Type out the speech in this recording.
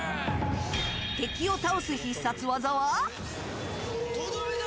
敵を倒す必殺技は。